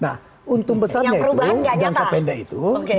nah untung besarnya itu jangka pendek itu